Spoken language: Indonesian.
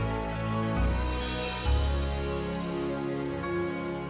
itu tak ada harta